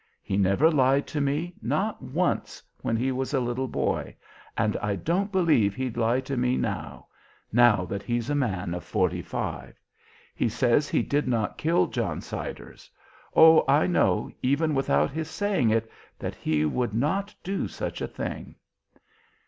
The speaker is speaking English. He never lied to me, not once, when he was a little boy, and I don't believe he'd lie to me now, now that he's a man of forty five. He says he did not kill John Siders. Oh, I know, even without his saying it, that he would not do such a thing."